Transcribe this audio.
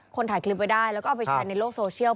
ถ่ายคลิปไว้ได้แล้วก็เอาไปแชร์ในโลกโซเชียล